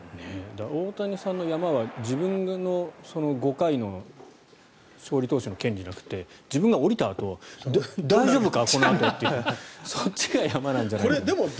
大谷さんの山は自分の、５回の勝利投手の権利じゃなくて自分が降りたあと大丈夫かこのあとというそっちが山なんじゃないかと。